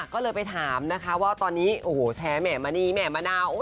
ก็เลยไปถามนะคะว่าตอนนี้โอ้โหแชร์แม่มณีแม่มะนาว